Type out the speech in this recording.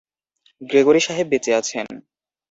Gregory সাহেব বেঁচে আছেন।